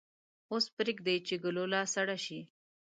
اوس پریږدئ چې ګلوله سړه شي.